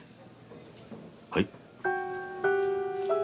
はい？